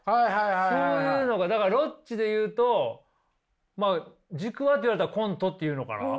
そういうのがだからロッチで言うとまあ軸はって言われたらコントって言うのかな。